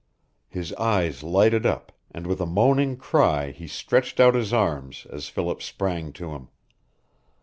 His eyes lighted up, and with a moaning cry he stretched out his arms as Philip sprang to him.